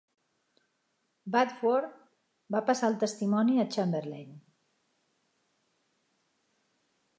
Watford va passar el testimoni a Chamberlain.